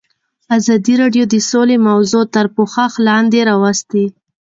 ازادي راډیو د سوله موضوع تر پوښښ لاندې راوستې.